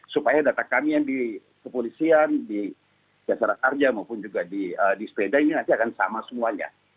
supaya data kami yang di kepolisian di jasara sarja maupun juga di sepeda ini nanti akan sama semuanya